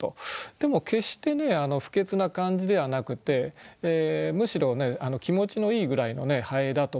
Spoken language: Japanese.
でも決して不潔な感じではなくてむしろ気持ちのいいぐらいの蠅だと思いますね。